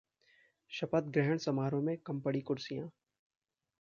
शपथग्रहण समारोह में कम पड़ी कुर्सियां!